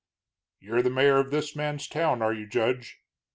"You're the mayor of this man's town, are you, Judge?"